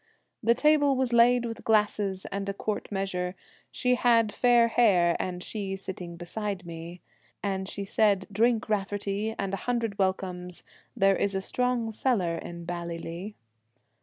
The table was laid with glasses and a quart measure, She had fair hair, and she sitting beside me ; And she said, "Drink, Raftery, and a hundred welcomes, There is a strong cellar in Ballylee."